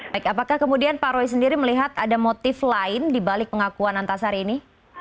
baik apakah kemudian pak roy sendiri melihat ada motif lain dibalik pengakuan antasari ini